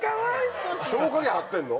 「消火器」張ってんの？